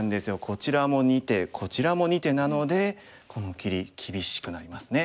こちらも２手こちらも２手なのでこの切り厳しくなりますね。